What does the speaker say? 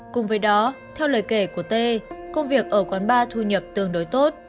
cùng với đó theo lời kể của t công việc ở quán bar thu nhập tương đối tốt